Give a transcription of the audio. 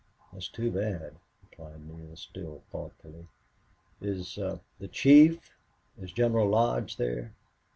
"That's too bad," replied Neale, still thoughtfully. "Is the chief is General Lodge there?"